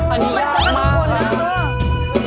อันนี้ยากมากนะ